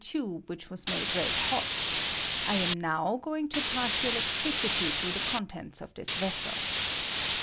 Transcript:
tube whieb was made red hot ; I am HOW going to pass the electricity through the contents of this vessel.